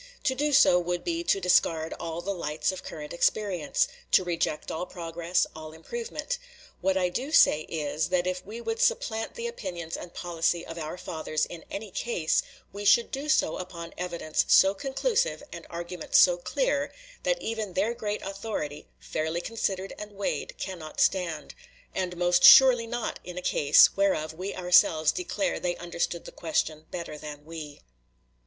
To do so would be to discard all the lights of current experience to reject all progress, all improvement. What I do say is, that if we would supplant the opinions and policy of our fathers in any case, we should do so upon evidence so conclusive, and argument so clear, that even their great authority, fairly considered and weighed, cannot stand; and most surely not in a case, whereof we ourselves declare they understood the question better than we.